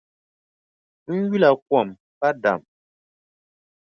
N yula kom pa dam.